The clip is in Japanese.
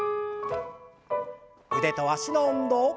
腕と脚の運動。